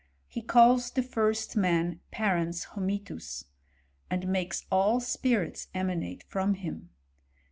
He calls the first man parens hominis; and makes all spirits emanate from him.